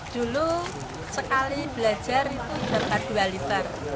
dulu sekali belajar itu dapat dua liter